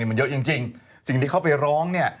มันเยอะจริงสิ่งที่เขาไปร้องเนี่ย